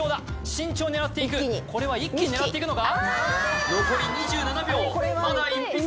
慎重に狙っていくこれは一気に狙っていくのか？